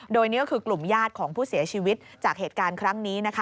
โดยนี่ก็คือกลุ่มญาติของผู้เสียชีวิตจากเหตุการณ์ครั้งนี้นะคะ